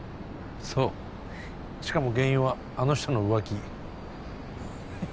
そうしかも原因はあの人の浮気ええ？